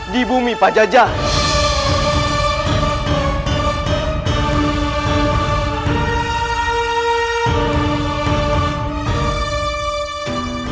di bumi pajajaran